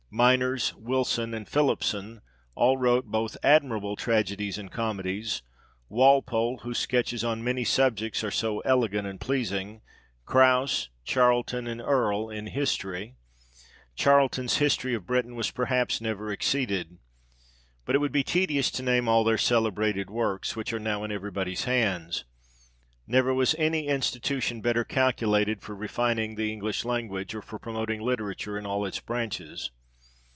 Minors, Wilson, and Philipson, all wrote both admirable tragedies and comedies, Walpole, whose sketches on many subjects are so elegant and pleasing Grouse, Charlton, and Earle, in history : Charlton's History of Britain was perhaps never exceeded. But it would be tedious to name all their celebrated works, which are now in every body's hands. Never was any institution better calculated for refining the English language, or for promoting literature in all its branches.